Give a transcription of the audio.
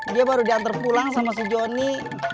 dia baru diantar pulang sama si joni